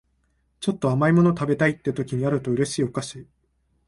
ちょっと甘い物食べたいって時にあると嬉しいお菓子